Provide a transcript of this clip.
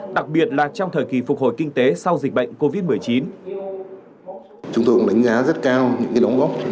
đặc biệt là trong thời kỳ phục hồi kinh tế sau dịch bệnh covid một mươi chín